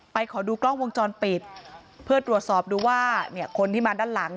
ขอดูกล้องวงจรปิดเพื่อตรวจสอบดูว่าเนี่ยคนที่มาด้านหลัง